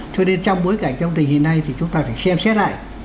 cho nên trong bối cảnh trong tình hình này thì chúng ta phải xem xét lại